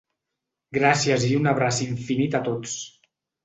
Gràcies i un abraç infinit a tots!